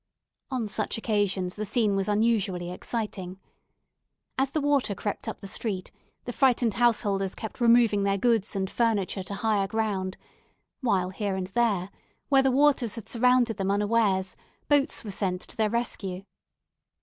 On such occasions the scene was unusually exciting. As the water crept up the street, the frightened householders kept removing their goods and furniture to higher ground; while here and there, where the waters had surrounded them unawares, boats were sent to their rescue.